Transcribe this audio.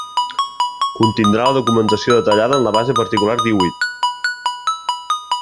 Contindrà la documentació detallada en la base particular díhuit.